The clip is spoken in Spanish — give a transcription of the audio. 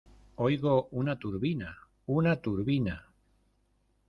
oigo una turbina, una turbina.